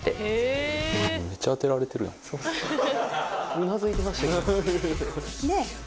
うなずいてました今。